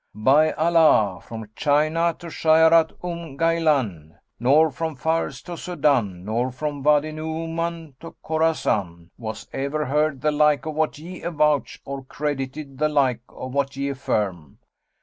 By Allah, from China to Shajarat Umm Ghaylбn, nor from Fars to Sudan nor from Wadi Nu'uman to Khorasan, was ever heard the like of what ye avouch or credited the like of what ye affirm.